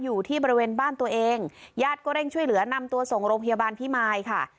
อยู่ที่บริเวณบ้านตัวเองญาติก็เร่งช่วยเหลือนำตัวส่งโรงพยาบาลพิมายค่ะ